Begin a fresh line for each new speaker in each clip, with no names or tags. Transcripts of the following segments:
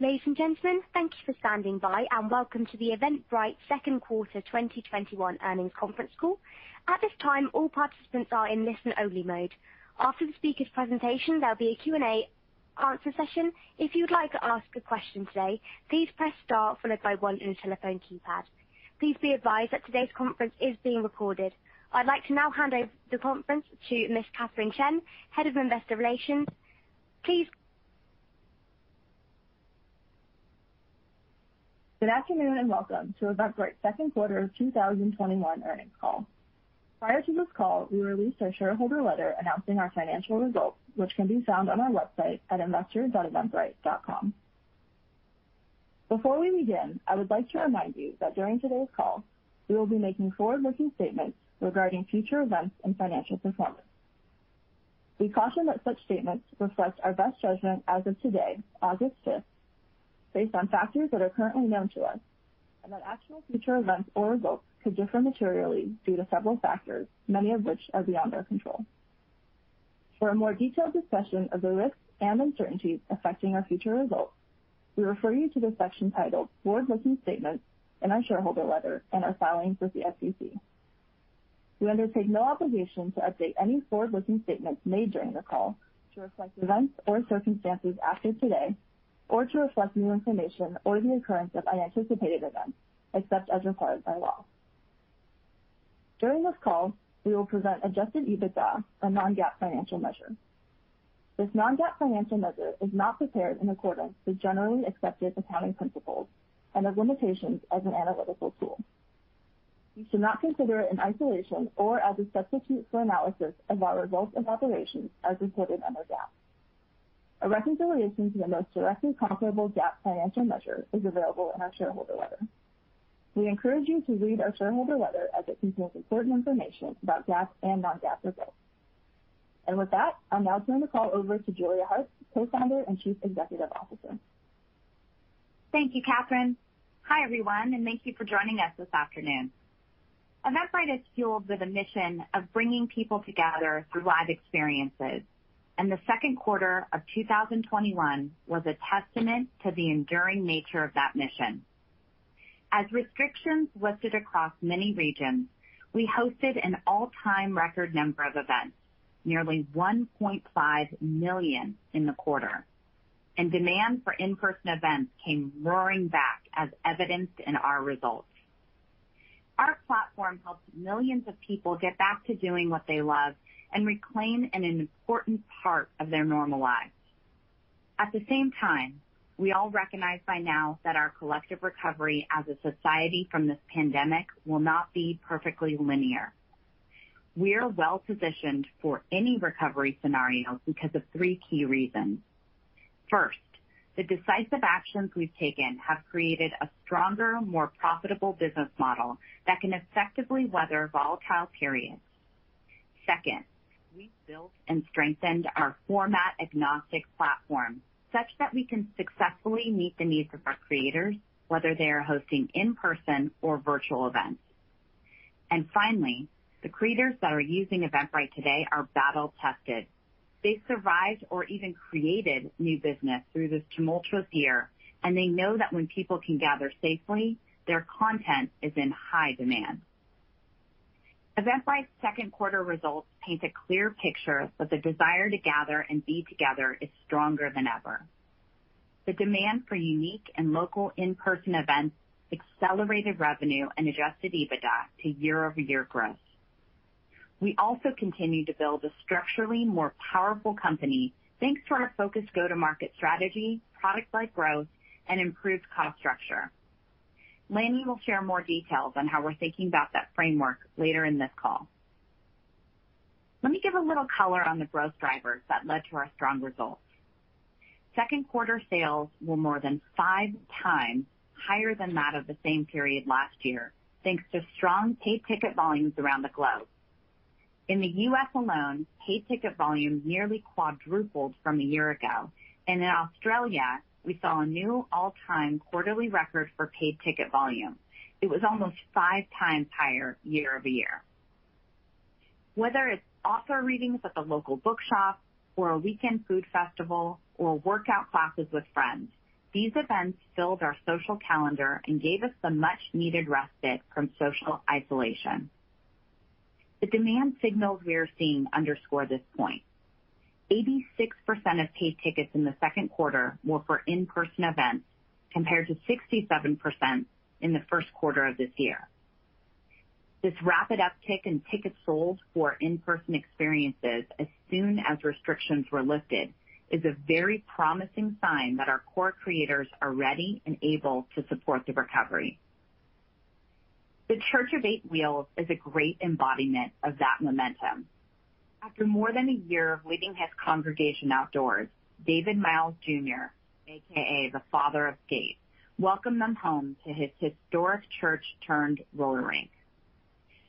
Ladies and gentlemen, thank you for standing by, and welcome to the Eventbrite second quarter 2021 earnings conference call. At this time all participants are only listen mode. After this presentation there will be a Q&A session If you would like to ask question please press star followed by one please be advice that today conference is being recorded. I'd like to now hand over the conference to Ms. Katherine Chen, Head of Investor Relations. Please.
Good afternoon, and welcome to Eventbrite's second quarter of 2021 earnings call. Prior to this call, we released our shareholder letter announcing our financial results, which can be found on our website at investor.eventbrite.com. Before we begin, I would like to remind you that during today's call, we will be making forward-looking statements regarding future events and financial performance. We caution that such statements reflect our best judgment as of today, August 5th, based on factors that are currently known to us, and that actual future events or results could differ materially due to several factors, many of which are beyond our control. For a more detailed discussion of the risks and uncertainties affecting our future results, we refer you to the section titled "Forward-Looking Statements" in our shareholder letter and our filings with the SEC. We undertake no obligation to update any forward-looking statements made during the call to reflect events or circumstances after today or to reflect new information or the occurrence of unanticipated events, except as required by law. During this call, we will present Adjusted EBITDA, a non-GAAP financial measure. This non-GAAP financial measure is not prepared in accordance with generally accepted accounting principles and has limitations as an analytical tool. You should not consider it in isolation or as a substitute for analysis of our results of operations as reported under GAAP. A reconciliation to the most directly comparable GAAP financial measure is available in our shareholder letter. We encourage you to read our shareholder letter as it contains important information about GAAP and non-GAAP results. With that, I'll now turn the call over to Julia Hartz, Co-Founder and Chief Executive Officer.
Thank you, Katherine. Hi everyone, and thank you for joining us this afternoon. Eventbrite is fueled with a mission of bringing people together through live experiences, and the second quarter of 2021 was a testament to the enduring nature of that mission. As restrictions lifted across many regions, we hosted an all-time record number of events, nearly 1.5 million in the quarter, and demand for in-person events came roaring back as evidenced in our results. Our platform helped millions of people get back to doing what they love and reclaim an important part of their normal lives. At the same time, we all recognize by now that our collective recovery as a society from this pandemic will not be perfectly linear. We are well-positioned for any recovery scenario because of three key reasons. First, the decisive actions we've taken have created a stronger, more profitable business model that can effectively weather volatile periods. Second, we've built and strengthened our format agnostic platform such that we can successfully meet the needs of our creators, whether they are hosting in-person or virtual events. Finally, the creators that are using Eventbrite today are battle tested. They survived or even created new business through this tumultuous year, and they know that when people can gather safely, their content is in high demand. Eventbrite's second quarter results paint a clear picture that the desire to gather and be together is stronger than ever. The demand for unique and local in-person events accelerated revenue and Adjusted EBITDA to year-over-year growth. We also continued to build a structurally more powerful company thanks to our focused go-to-market strategy, product-led growth, and improved cost structure. Lanny will share more details on how we're thinking about that framework later in this call. Let me give a little color on the growth drivers that led to our strong results. Second quarter sales were more than five times higher than that of the same period last year, thanks to strong paid ticket volumes around the globe. In the U.S. alone, paid ticket volume nearly quadrupled from a year ago, and in Australia, we saw a new all-time quarterly record for paid ticket volume. It was almost five times higher year-over-year. Whether it's author readings at the local bookshop or a weekend food festival or workout classes with friends, these events filled our social calendar and gave us the much needed respite from social isolation. The demand signals we are seeing underscore this point. 86% of paid tickets in the second quarter were for in-person events, compared to 67% in the first quarter of this year. This rapid uptick in tickets sold for in-person experiences as soon as restrictions were lifted is a very promising sign that our core creators are ready and able to support the recovery. The Church of 8 Wheels is a great embodiment of that momentum. After more than year of leading his congregation outdoors, David Miles Jr., AKA The Godfather of Skate, welcomed them home to his historic church turned roller rink.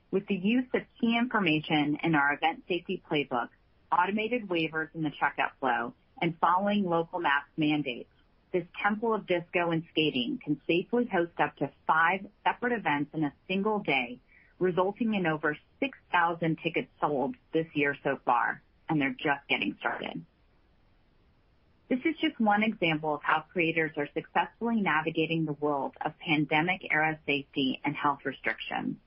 With the use of key information in our event safety playbook, automated waivers in the checkout flow, and following local mask mandates, this temple of disco and skating can safely host up to five separate events in a single day, resulting in over 6,000 tickets sold this year so far, and they're just getting started. This is just one example of how creators are successfully navigating the world of pandemic-era safety and health restrictions.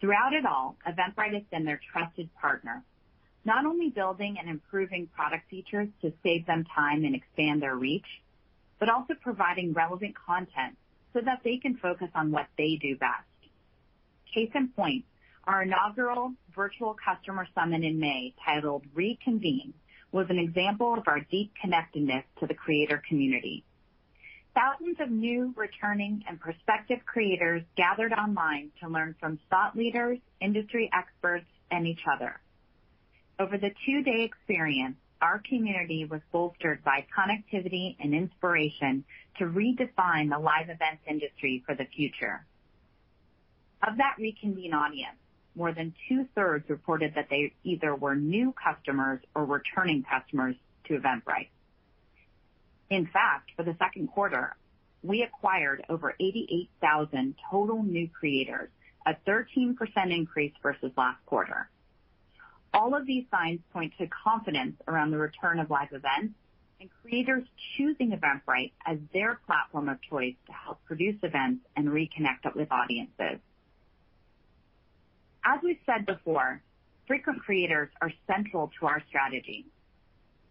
Throughout it all, Eventbrite has been their trusted partner, not only building and improving product features to save them time and expand their reach, but also providing relevant content so that they can focus on what they do best. Case in point, our inaugural virtual customer summit in May, titled RECONVENE, was an example of our deep connectedness to the creator community. Thousands of new, returning, and prospective creators gathered online to learn from thought leaders, industry experts, and each other. Over the two-day experience, our community was bolstered by connectivity and inspiration to redefine the live event industry for the future. Of that RECONVENE audience, more than 2/3 reported that they either were new customers or returning customers to Eventbrite. In fact, for the second quarter, we acquired over 88,000 total new creators, a 13% increase versus last quarter. All of these signs point to confidence around the return of live events and creators choosing Eventbrite as their platform of choice to help produce events and reconnect with audiences. As we've said before, frequent creators are central to our strategy.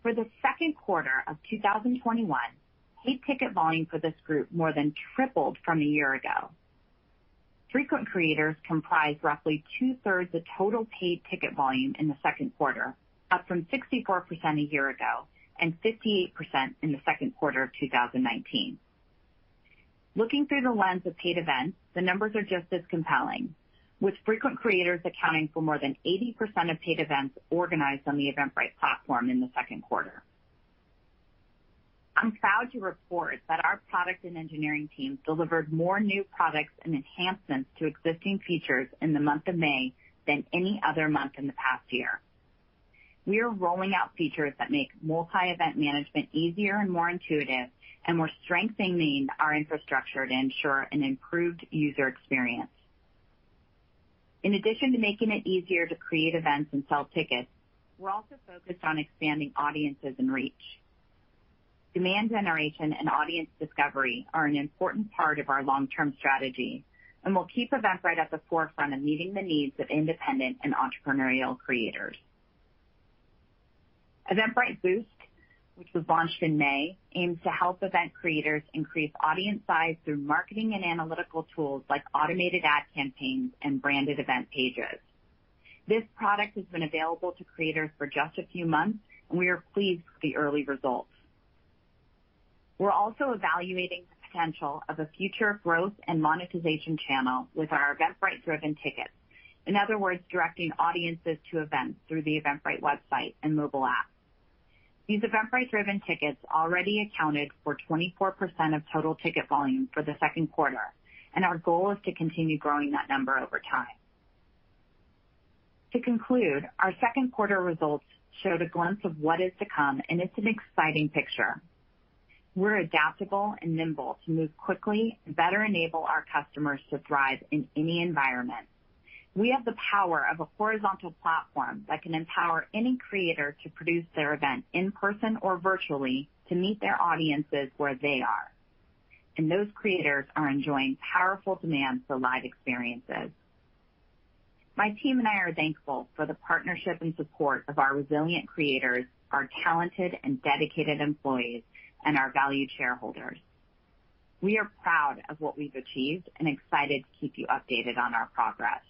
For the second quarter of 2021, paid ticket volume for this group more than tripled from a year ago. Frequent creators comprised roughly two-thirds of total paid ticket volume in the second quarter, up from 64% a year ago, and 58% in the second quarter of 2019. Looking through the lens of paid events, the numbers are just as compelling, with frequent creators accounting for more than 80% of paid events organized on the Eventbrite platform in the second quarter. I'm proud to report that our product and engineering teams delivered more new products and enhancements to existing features in the month of May than any other month in the past year. We are rolling out features that make multi-event management easier and more intuitive, and we're strengthening our infrastructure to ensure an improved user experience. In addition to making it easier to create events and sell tickets, we're also focused on expanding audiences and reach. Demand generation and audience discovery are an important part of our long-term strategy, and will keep Eventbrite at the forefront of meeting the needs of independent and entrepreneurial creators. Eventbrite Boost, which was launched in May, aims to help event creators increase audience size through marketing and analytical tools like automated ad campaigns and branded event pages. This product has been available to creators for just a few months, and we are pleased with the early results. We're also evaluating the potential of a future growth and monetization channel with our Eventbrite-driven tickets. In other words, directing audiences to events through the Eventbrite website and mobile app. These Eventbrite-driven tickets already accounted for 24% of total ticket volume for the second quarter, and our goal is to continue growing that number over time. To conclude, our second quarter results showed a glimpse of what is to come. It's an exciting picture. We're adaptable and nimble to move quickly and better enable our customers to thrive in any environment. We have the power of a horizontal platform that can empower any creator to produce their event in person or virtually to meet their audiences where they are. Those creators are enjoying powerful demand for live experiences. My team and I are thankful for the partnership and support of our resilient creators, our talented and dedicated employees, and our valued shareholders. We are proud of what we've achieved and excited to keep you updated on our progress.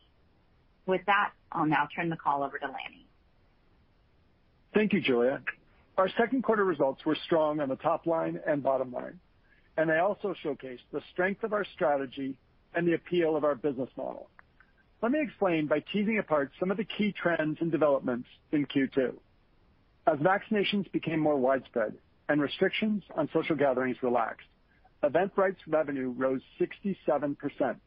With that, I'll now turn the call over to Lanny.
Thank you, Julia. Our second quarter results were strong on the top line and bottom line, and they also showcased the strength of our strategy and the appeal of our business model. Let me explain by teasing apart some of the key trends and developments in Q2. As vaccinations became more widespread and restrictions on social gatherings relaxed, Eventbrite's revenue rose 67%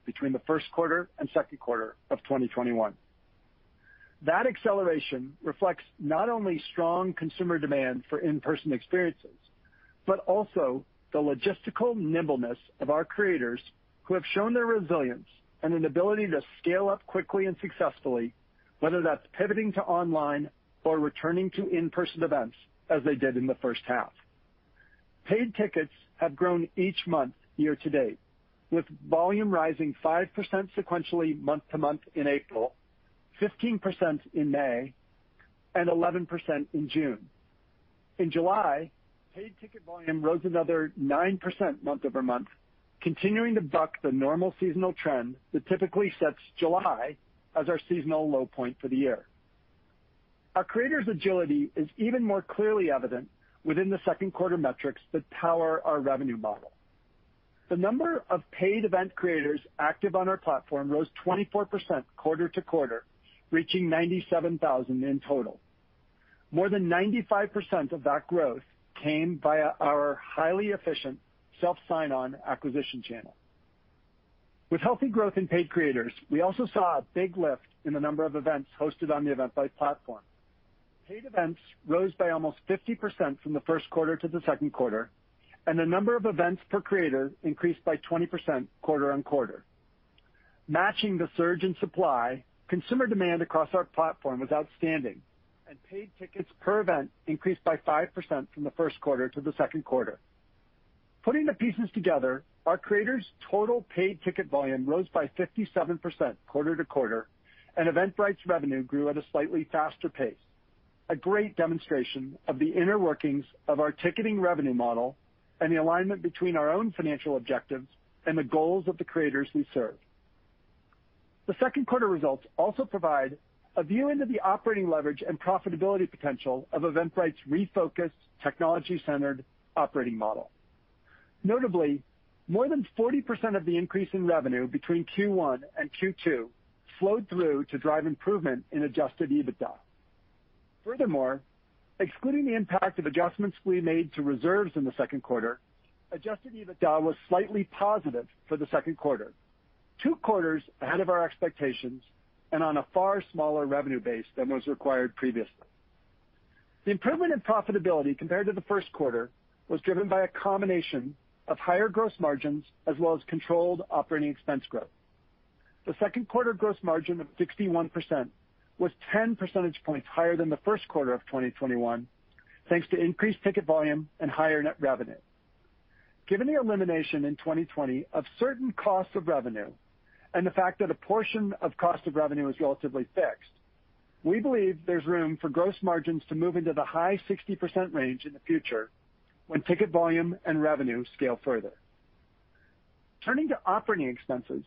between the first quarter and second quarter of 2021. That acceleration reflects not only strong consumer demand for in-person experiences, but also the logistical nimbleness of our creators who have shown their resilience and an ability to scale up quickly and successfully, whether that's pivoting to online or returning to in-person events as they did in the first half. Paid tickets have grown each month year-to-date, with volume rising 5% sequentially month-over-month in April, 15% in May, and 11% in June. In July, paid ticket volume rose another 9% month-over-month, continuing to buck the normal seasonal trend that typically sets July as our seasonal low point for the year. Our creators' agility is even more clearly evident within the second quarter metrics that power our revenue model. The number of paid event creators active on our platform rose 24% quarter-to-quarter, reaching 97,000 in total. More than 95% of that growth came via our highly efficient self-sign-on acquisition channel. With healthy growth in paid creators, we also saw a big lift in the number of events hosted on the Eventbrite platform. Paid events rose by almost 50% from the first quarter to the second quarter, and the number of events per creator increased by 20% quarter-on-quarter. Matching the surge in supply, consumer demand across our platform was outstanding, and paid tickets per event increased by 5% from the first quarter to the second quarter. Putting the pieces together, our creators' total paid ticket volume rose by 57% quarter-to-quarter, and Eventbrite's revenue grew at a slightly faster pace. A great demonstration of the inner workings of our ticketing revenue model and the alignment between our own financial objectives and the goals of the creators we serve. The second quarter results also provide a view into the operating leverage and profitability potential of Eventbrite's refocused technology-centered operating model. Notably, more than 40% of the increase in revenue between Q1 and Q2 flowed through to drive improvement in Adjusted EBITDA. Furthermore, excluding the impact of adjustments we made to reserves in the second quarter, Adjusted EBITDA was slightly positive for the second quarter, two quarters ahead of our expectations and on a far smaller revenue base than was required previously. The improvement in profitability compared to the first quarter was driven by a combination of higher gross margins as well as controlled operating expense growth. The second quarter gross margin of 61% was 10 percentage points higher than the first quarter of 2021, thanks to increased ticket volume and higher net revenue. Given the elimination in 2020 of certain costs of revenue and the fact that a portion of cost of revenue is relatively fixed, we believe there's room for gross margins to move into the high 60% range in the future when ticket volume and revenue scale further. Turning to operating expenses,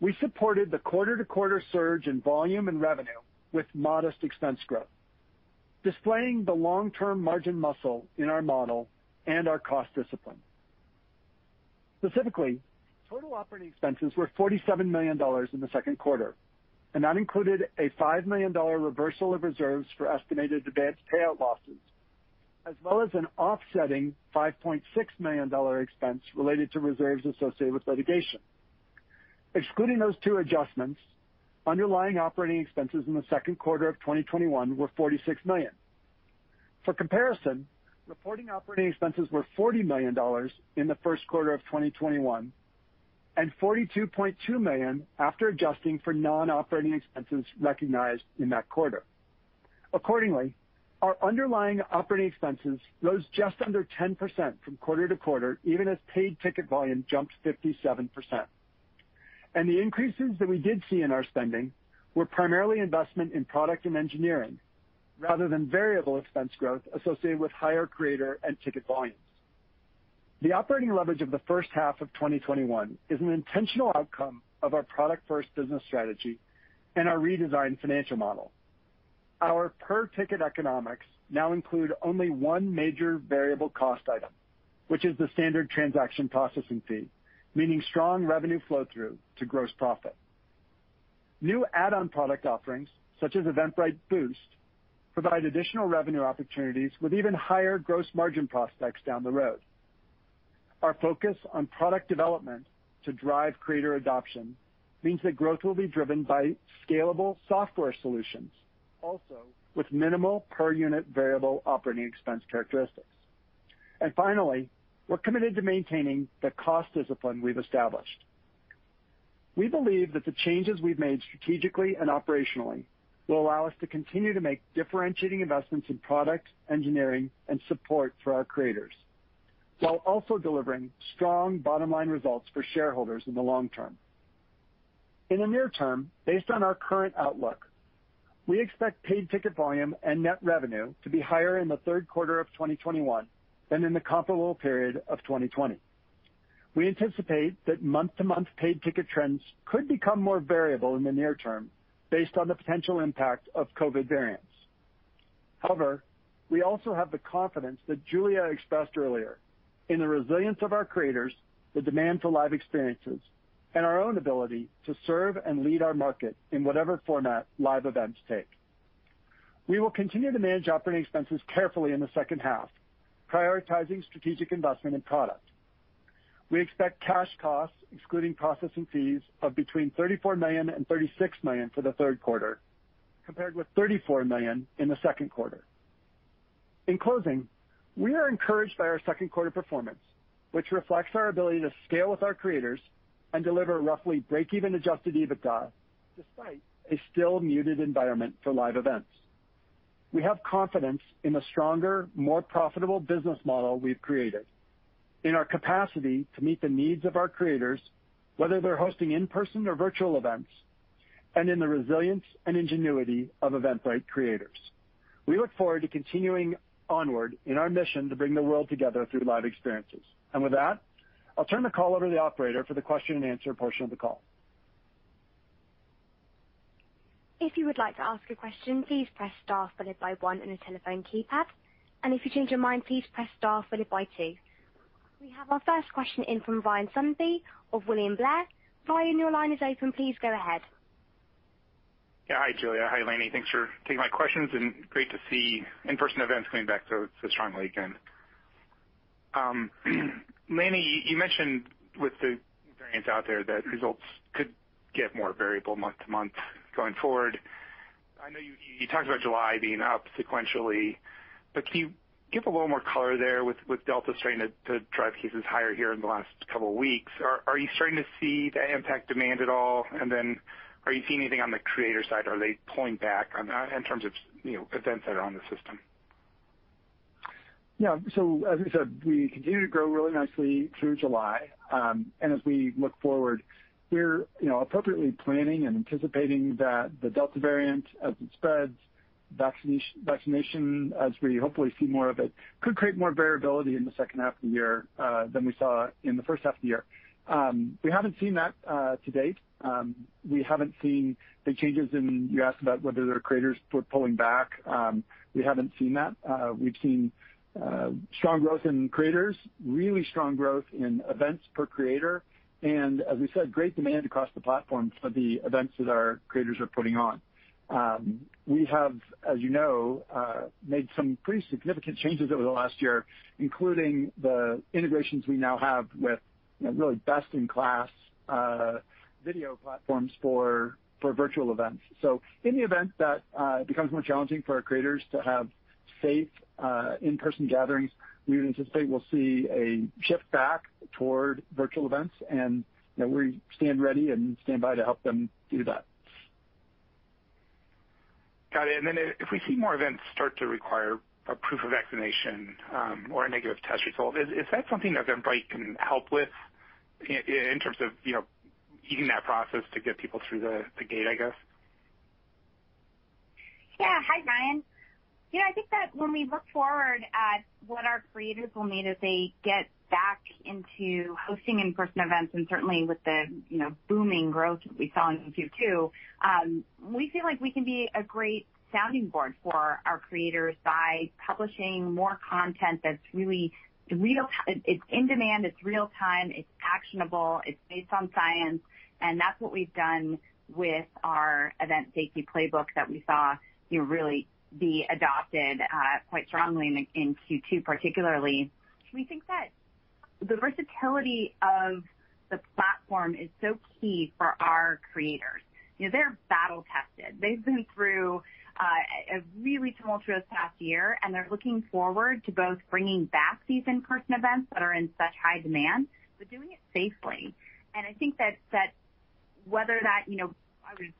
we supported the quarter-to-quarter surge in volume and revenue with modest expense growth, displaying the long-term margin muscle in our model and our cost discipline. Specifically, total operating expenses were $47 million in the second quarter, and that included a $5 million reversal of reserves for estimated advance payout losses, as well as an offsetting $5.6 million expense related to reserves associated with litigation. Excluding those two adjustments, underlying operating expenses in the second quarter of 2021 were $46 million. For comparison, reporting operating expenses were $40 million in the first quarter of 2021 and $42.2 million after adjusting for non-operating expenses recognized in that quarter. Accordingly, our underlying operating expenses rose just under 10% from quarter-to-quarter, even as paid ticket volume jumped 57%. The increases that we did see in our spending were primarily investment in product and engineering rather than variable expense growth associated with higher creator and ticket volumes. The operating leverage of the first half of 2021 is an intentional outcome of our product-first business strategy and our redesigned financial model. Our per-ticket economics now include only one major variable cost item, which is the standard transaction processing fee, meaning strong revenue flow-through to gross profit. New add-on product offerings, such as Eventbrite Boost, provide additional revenue opportunities with even higher gross margin prospects down the road. Our focus on product development to drive creator adoption means that growth will be driven by scalable software solutions, also with minimal per-unit variable operating expense characteristics. Finally, we're committed to maintaining the cost discipline we've established. We believe that the changes we've made strategically and operationally will allow us to continue to make differentiating investments in product, engineering, and support for our creators while also delivering strong bottom-line results for shareholders in the long term. In the near term, based on our current outlook, we expect paid ticket volume and net revenue to be higher in the third quarter of 2021 than in the comparable period of 2020. We anticipate that month-to-month paid ticket trends could become more variable in the near term based on the potential impact of COVID variants. However, we also have the confidence that Julia expressed earlier in the resilience of our creators, the demand for live experiences, and our own ability to serve and lead our market in whatever format live events take. We will continue to manage operating expenses carefully in the second half, prioritizing strategic investment in product. We expect cash costs, excluding processing fees, of between $34 million and $36 million for the third quarter, compared with $34 million in the second quarter. In closing, we are encouraged by our second quarter performance, which reflects our ability to scale with our creators and deliver roughly breakeven Adjusted EBITDA despite a still muted environment for live events. We have confidence in the stronger, more profitable business model we've created, in our capacity to meet the needs of our creators, whether they're hosting in-person or virtual events, and in the resilience and ingenuity of Eventbrite creators. We look forward to continuing onward in our mission to bring the world together through live experiences. With that, I'll turn the call over to the operator for the question-and-answer portion of the call.
If you would like to ask a question, please press star followed by one on your telephone keypad. If you change your mind, please press star followed by two. We have our first question in from Ryan Sundby of William Blair. Ryan, your line is open. Please go ahead.
Yeah. Hi, Julia. Hi, Lanny. Thanks for taking my questions and great to see in-person events coming back so strongly again. Lanny, you mentioned with the variants out there that results could get more variable month to month going forward. I know you talked about July being up sequentially, but can you give a little more color there with Delta variant that drive cases higher here in the last couple of weeks? Are you starting to see that impact demand at all? Are you seeing anything on the creator side? Are they pulling back on that in terms of events that are on the system?
Yeah. As we said, we continue to grow really nicely through July. As we look forward, we're appropriately planning and anticipating that the Delta variant, as it spreads, vaccination, as we hopefully see more of it, could create more variability in the second half of the year, than we saw in the first half of the year. We haven't seen that to date. We haven't seen the changes in, you asked about whether their creators were pulling back. We haven't seen that. We've seen strong growth in creators, really strong growth in events per creator, and as we said, great demand across the platform for the events that our creators are putting on. We have, as you know, made some pretty significant changes over the last year, including the integrations we now have with really best-in-class video platforms for virtual events. In the event that it becomes more challenging for our creators to have safe, in-person gatherings, we would anticipate we'll see a shift back toward virtual events and we stand ready and stand by to help them do that.
If we see more events start to require a proof of vaccination, or a negative test result, is that something that Eventbrite can help with in terms of easing that process to get people through the gate, I guess?
Yeah. Hi, Ryan. Yeah, I think that when we look forward at what our creators will need as they get back into hosting in-person events, and certainly with the booming growth that we saw in Q2, we feel like we can be a great sounding board for our creators by publishing more content that's really real. It's in demand, it's real-time, it's actionable, it's based on science, and that's what we've done with our event safety playbook that we saw really be adopted quite strongly in Q2 particularly. We think that the versatility of the platform is so key for our creators. They're battle-tested. They've been through a really tumultuous past year, and they're looking forward to both bringing back these in-person events that are in such high demand, but doing it safely. I think that whether that, I would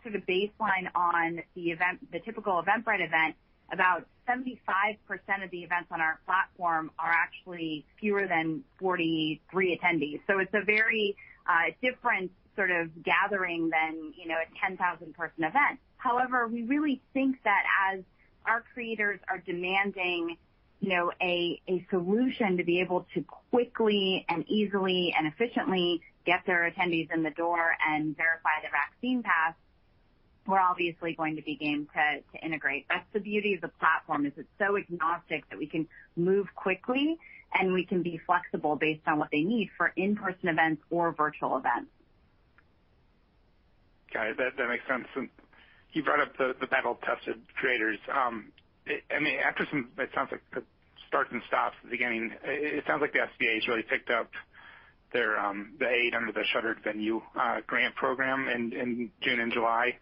sort of baseline on the typical Eventbrite event, about 75% of the events on our platform are actually fewer than 43 attendees. It's a very different sort of gathering than a 10,000-person event. However, we really think that as our creators are demanding a solution to be able to quickly and easily and efficiently get their attendees in the door and verify their vaccine pass, we're obviously going to be game to integrate. That's the beauty of the platform, is it's so agnostic that we can move quickly, and we can be flexible based on what they need for in-person events or virtual events.
Got it. That makes sense. You brought up the battle-tested creators. After some, it sounds like the starts and stops at the beginning, it sounds like the SBA has really picked up the aid under the Shuttered Venue Grant program in June and July.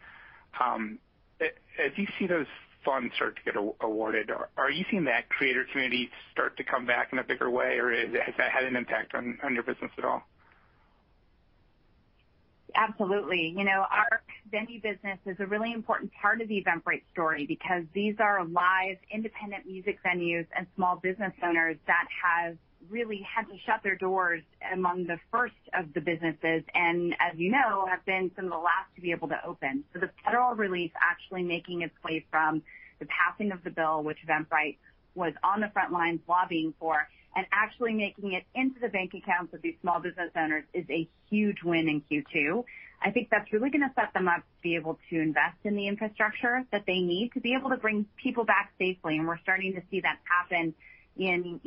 As you see those funds start to get awarded, are you seeing that creator community start to come back in a bigger way, or has that had an impact on your business at all?
Absolutely. Our venue business is a really important part of the Eventbrite story because these are live, independent music venues and small business owners that have really had to shut their doors among the first of the businesses, and as you know, have been some of the last to be able to open. The federal relief actually making its way from the passing of the bill, which Eventbrite was on the front lines lobbying for, and actually making it into the bank accounts of these small business owners is a huge win in Q2. I think that's really going to set them up to be able to invest in the infrastructure that they need to be able to bring people back safely, and we're starting to see that happen in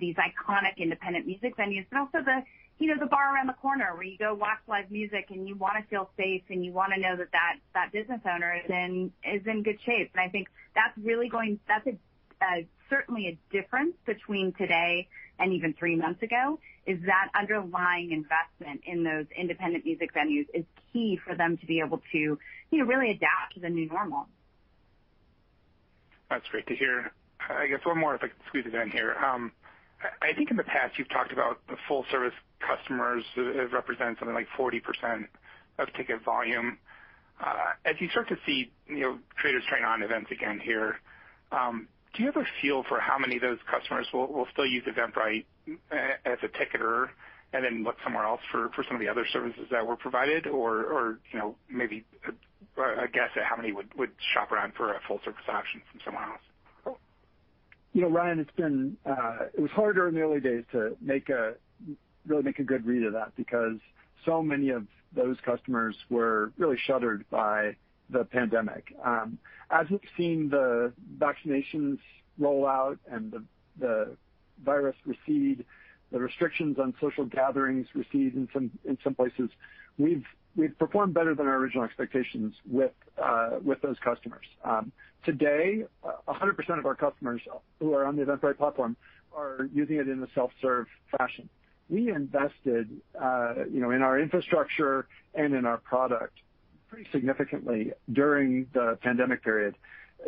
these iconic independent music venues. Also the bar around the corner where you go watch live music and you want to feel safe and you want to know that that business owner is in good shape. I think that's certainly a difference between today and even three months ago, is that underlying investment in those independent music venues is key for them to be able to really adapt to the new normal.
That's great to hear. I guess one more, if I could squeeze it in here. I think in the past, you've talked about the full-service customers represent something like 40% of ticket volume. As you start to see creators turning on events again here, do you have a feel for how many of those customers will still use Eventbrite as a ticketer and then look somewhere else for some of the other services that were provided or maybe a guess at how many would shop around for a full-service option from someone else?
Ryan, it was hard during the early days to really make a good read of that because so many of those customers were really shuttered by the pandemic. As we've seen the vaccinations roll out and the virus recede, the restrictions on social gatherings recede in some places. We've performed better than our original expectations with those customers. Today, 100% of our customers who are on the Eventbrite platform are using it in a self-serve fashion. We invested in our infrastructure and in our product pretty significantly during the pandemic period,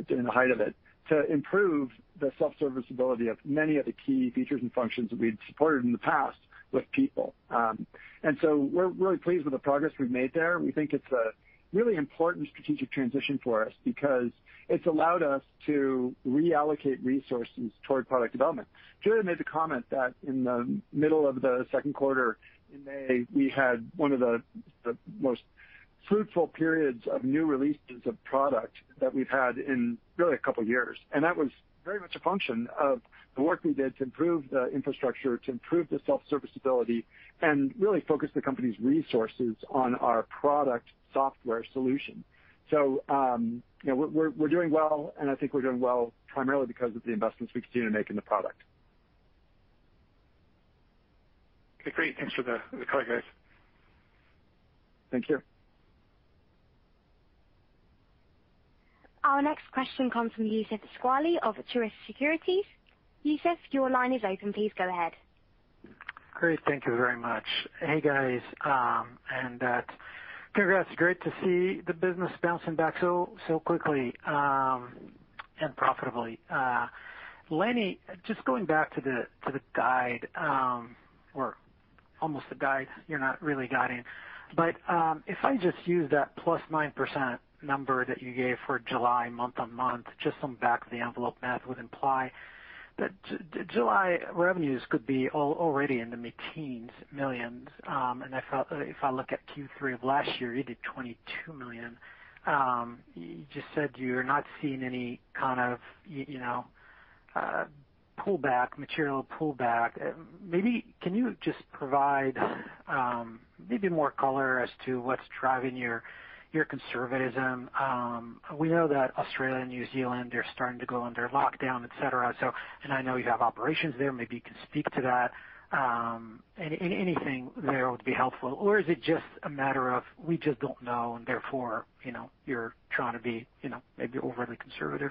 in the height of it, to improve the self-service ability of many of the key features and functions that we'd supported in the past with people. We're really pleased with the progress we've made there. We think it's a really important strategic transition for us because it's allowed us to reallocate resources toward product development. Julia made the comment that in the middle of the second quarter, in May, we had one of the most fruitful periods of new releases of product that we've had in really a couple of years. That was very much a function of the work we did to improve the infrastructure, to improve the self-service ability, and really focus the company's resources on our product software solution. We're doing well, and I think we're doing well primarily because of the investments we continue to make in the product.
Okay, great. Thanks for the color, guys.
Thank you.
Our next question comes from Youssef Squali of Truist Securities. Youssef, your line is open. Please go ahead.
Great. Thank you very much. Hey, guys, and congrats. Great to see the business bouncing back so quickly and profitably. Lanny, just going back to the guide, or almost the guide, you're not really guiding, but if I just use that +9% number that you gave for July month-on-month, just some back of the envelope math would imply that July revenues could be already in the mid-teens millions. If I look at Q3 of last year, you did $22 million. You just said you're not seeing any kind of pullback, material pullback. Maybe can you just provide maybe more color as to what's driving your conservatism? We know that Australia and New Zealand are starting to go under lockdown, et cetera, and I know you have operations there. Maybe you can speak to that. Anything there would be helpful. Is it just a matter of we just don't know, and therefore, you're trying to be maybe overly conservative?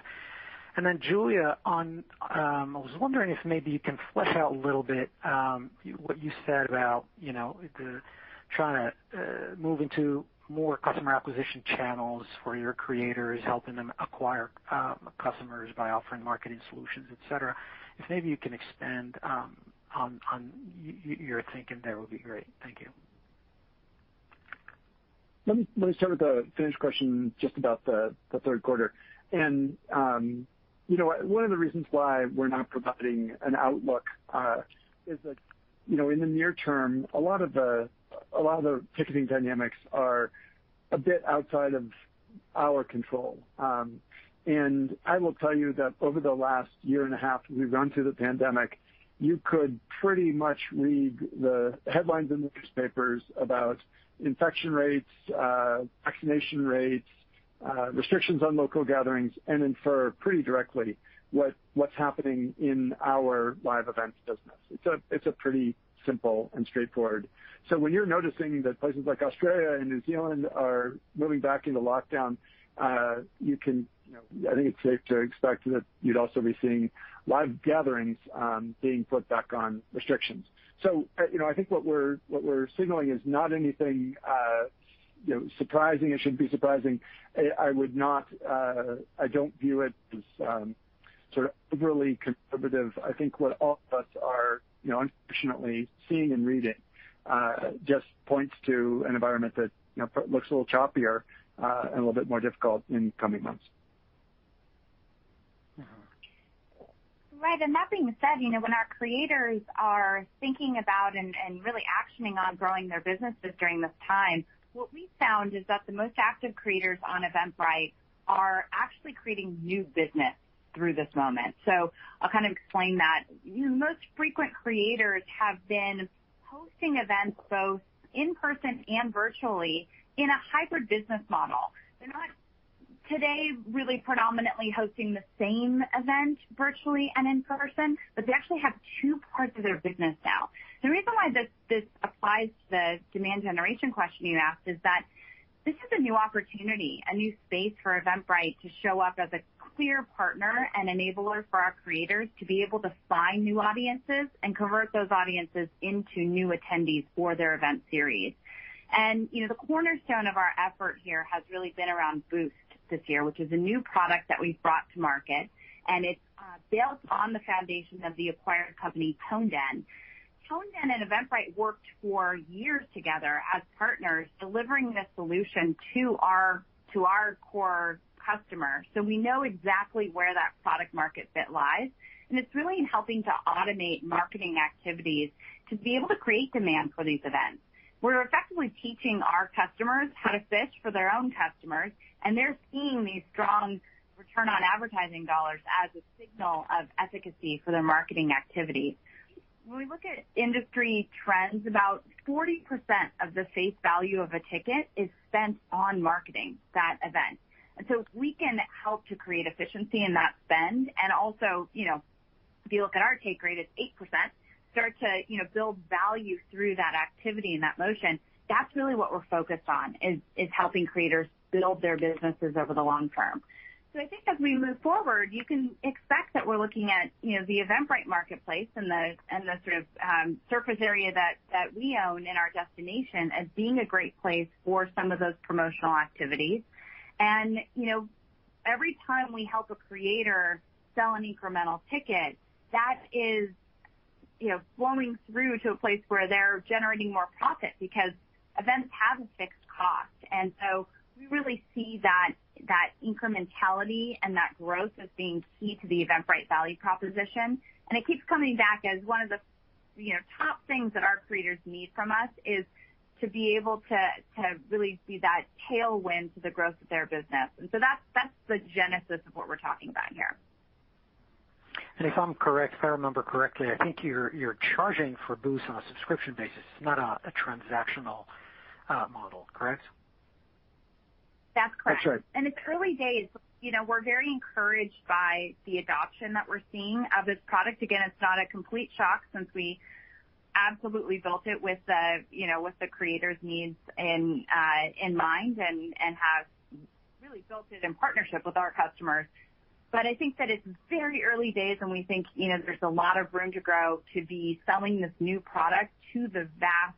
Julia, I was wondering if maybe you can flesh out a little bit, what you said about trying to move into more customer acquisition channels for your creators, helping them acquire customers by offering marketing solutions, et cetera. If maybe you can expand on your thinking there would be great. Thank you.
Let me start with the first question just about the third quarter. One of the reasons why we're not providing an outlook is that in the near term, a lot of the ticketing dynamics are a bit outside of our control. I will tell you that over the last year and a half we've gone through the pandemic, you could pretty much read the headlines in the newspapers about infection rates, vaccination rates, restrictions on local gatherings, and infer pretty directly what's happening in our live events business. It's pretty simple and straightforward. When you're noticing that places like Australia and New Zealand are moving back into lockdown, I think it's safe to expect that you'd also be seeing live gatherings being put back on restrictions. I think what we're signaling is not anything surprising. It shouldn't be surprising. I don't view it as sort of overly conservative. I think what all of us are unfortunately seeing and reading just points to an environment that looks a little choppier, and a little bit more difficult in coming months.
Right. That being said, when our creators are thinking about and really actioning on growing their businesses during this time, what we found is that the most active creators on Eventbrite are actually creating new business through this moment. I'll explain that. Most frequent creators have been hosting events both in person and virtually in a hybrid business model. They're not today really predominantly hosting the same event virtually and in person, but they actually have two parts of their business now. The reason why this applies to the demand generation question you asked is that this is a new opportunity, a new space for Eventbrite to show up as a clear partner and enabler for our creators to be able to find new audiences and convert those audiences into new attendees for their event series. The cornerstone of our effort here has really been around Boost this year, which is a new product that we've brought to market, and it's built on the foundations of the acquired company, ToneDen. ToneDen and Eventbrite worked for years together as partners delivering this solution to our core customer. We know exactly where that product market fit lies, and it's really in helping to automate marketing activities to be able to create demand for these events. We're effectively teaching our customers how to fish for their own customers, and they're seeing these strong return on advertising dollars as a signal of efficacy for their marketing activity. When we look at industry trends, about 40% of the face value of a ticket is spent on marketing that event. If we can help to create efficiency in that spend and also, if you look at our take rate is 8%, start to build value through that activity and that motion, that's really what we're focused on is helping creators build their businesses over the long term. I think as we move forward, you can expect that we're looking at the Eventbrite marketplace and the sort of surface area that we own in our destination as being a great place for some of those promotional activities. Every time we help a creator sell an incremental ticket, that is flowing through to a place where they're generating more profit because events have a fixed cost. We really see that incrementality and that growth as being key to the Eventbrite value proposition. It keeps coming back as one of the top things that our creators need from us is to be able to really see that tailwind to the growth of their business. That's the genesis of what we're talking about here.
If I'm correct, if I remember correctly, I think you're charging for Boost on a subscription basis. It's not a transactional model, correct?
That's correct. That's right. It's early days. We're very encouraged by the adoption that we're seeing of this product. Again, it's not a complete shock since we absolutely built it with the creators' needs in mind and have really built it in partnership with our customers. I think that it's very early days, and we think there's a lot of room to grow to be selling this new product to the vast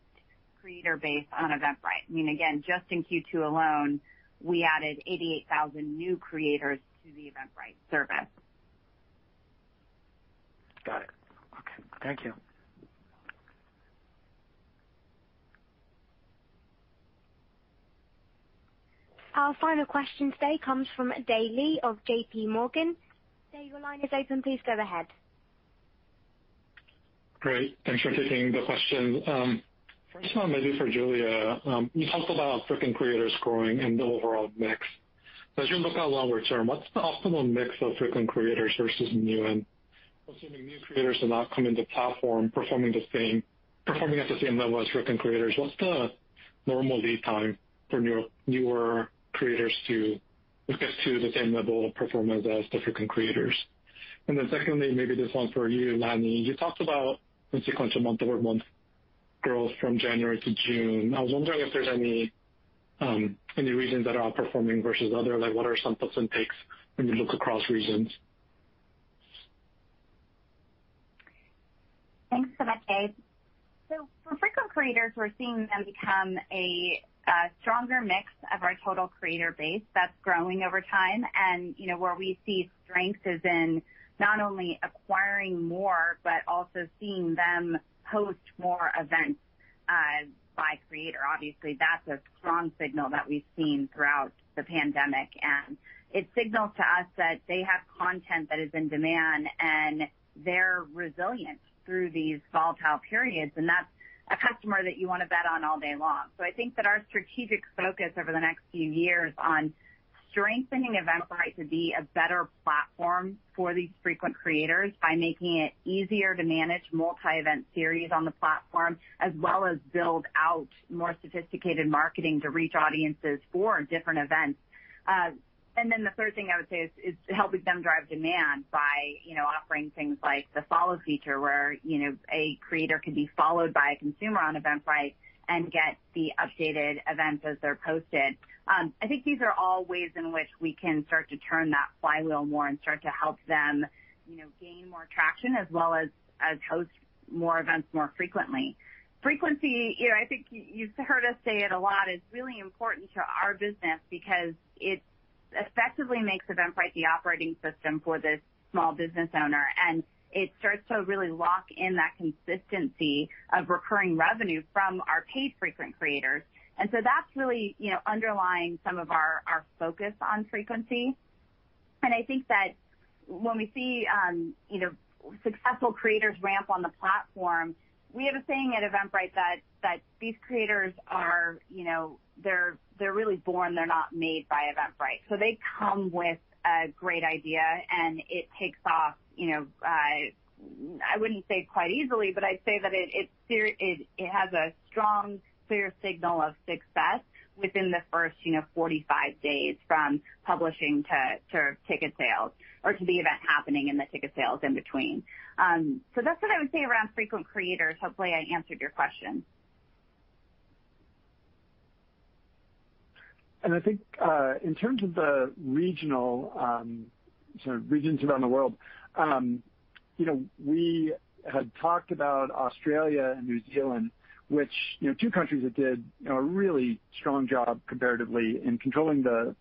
creator base on Eventbrite. I mean, again, just in Q2 alone, we added 88,000 new creators to the Eventbrite service.
Got it. Okay. Thank you.
Our final question today comes from Dae Lee of JPMorgan. Dae, your line is open. Please go ahead.
Great. Thanks for taking the question. First one maybe for Julia. You talked about frequent creators growing and the overall mix. As you look out longer term, what's the optimal mix of frequent creators versus new? Assuming new creators are now coming to the platform, performing at the same level as frequent creators, what's the normal lead time for newer creators to get to the same level of performance as the frequent creators? Then secondly, maybe this one's for you, Lanny. You talked about the sequential month-over-month growth from January to June. I was wondering if there's any regions that are outperforming versus others. What are some puts and takes when you look across regions?
Thanks so much, Dae Lee. For frequent creators, we're seeing them become a stronger mix of our total creator base that's growing over time. Where we see strength is in not only acquiring more, but also seeing them host more events by creator. Obviously, that's a strong signal that we've seen throughout the pandemic, and it signals to us that they have content that is in demand, and they're resilient through these volatile periods, and that's a customer that you want to bet on all day long. I think that our strategic focus over the next few years on strengthening Eventbrite to be a better platform for these frequent creators by making it easier to manage multi-event series on the platform, as well as build out more sophisticated marketing to reach audiences for different events. The third thing I would say is helping them drive demand by offering things like the follow feature, where a creator can be followed by a consumer on Eventbrite and get the updated events as they're posted. I think these are all ways in which we can start to turn that flywheel more and start to help them gain more traction as well as host more events more frequently. Frequency, I think you've heard us say it a lot, is really important to our business because it effectively makes Eventbrite the operating system for the small business owner, and it starts to really lock in that consistency of recurring revenue from our paid frequent creators. That's really underlying some of our focus on frequency. I think that when we see successful creators ramp on the platform, we have a saying at Eventbrite that these creators they're really born, they're not made by Eventbrite. They come with a great idea, and it takes off, I wouldn't say quite easily, but I'd say that it has a strong, clear signal of success within the first 45 days from publishing to ticket sales or to the event happening and the ticket sales in between. That's what I would say around frequent creators. Hopefully, I answered your question.
I think, in terms of the regions around the world, we had talked about Australia and New Zealand, which two countries that did a really strong job comparatively in controlling the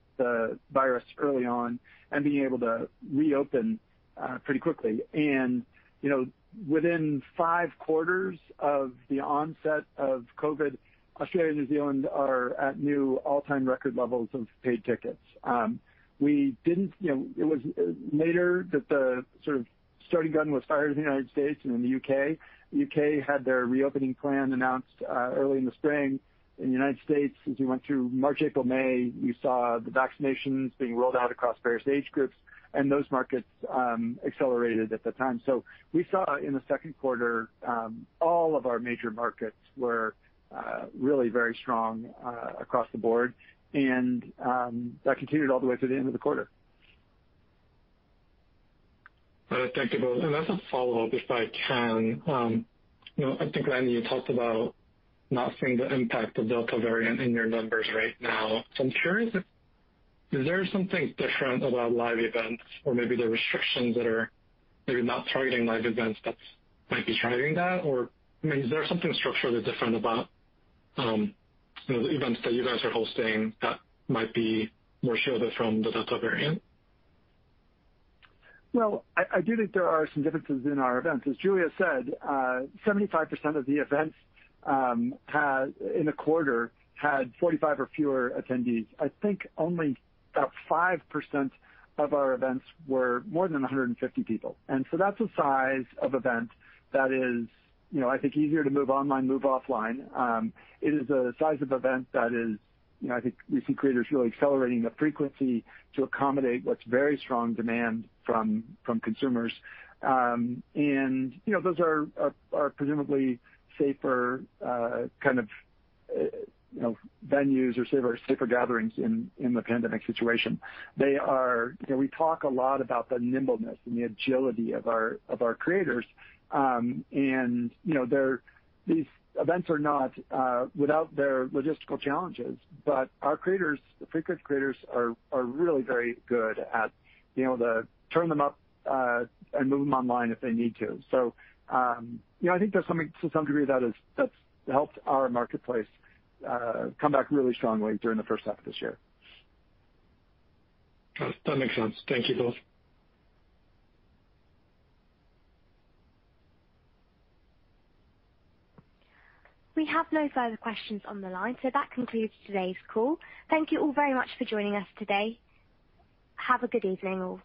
virus early on and being able to reopen pretty quickly. Within five quarters of the onset of COVID, Australia and New Zealand are at new all-time record levels of paid tickets. It was later that the starting gun was fired in the United States and in the U.K. U.K. had their reopening plan announced early in the spring. In the United States, as we went through March, April, May, we saw the vaccinations being rolled out across various age groups. Those markets accelerated at the time. We saw in the second quarter, all of our major markets were really very strong across the board, and that continued all the way through the end of the quarter.
Thank you both. As a follow-up, if I can. I think, Lanny, you talked about not seeing the impact of Delta variant in your numbers right now. I'm curious if, is there something different about live events or maybe the restrictions that are maybe not targeting live events that might be driving that? I mean, is there something structurally different about the events that you guys are hosting that might be more shielded from the Delta variant?
Well, I do think there are some differences in our events. As Julia said, 75% of the events in the quarter had 45 or fewer attendees. I think only about 5% of our events were more than 150 people. That's a size of event that is I think easier to move online, move offline. It is a size of event that is, I think we see creators really accelerating the frequency to accommodate what's very strong demand from consumers. Those are presumably safer venues or safer gatherings in the pandemic situation. We talk a lot about the nimbleness and the agility of our creators. These events are not without their logistical challenges, but our creators, the frequent creators, are really very good at being able to turn them up and move them online if they need to. I think there's something to some degree that's helped our marketplace come back really strongly during the first half of this year.
That makes sense. Thank you both.
We have no further questions on the line. That concludes today's call. Thank you all very much for joining us today. Have a good evening all.